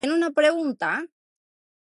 ¿Tiene una pregunta?